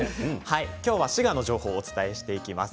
今日、滋賀の情報をお伝えしていきます。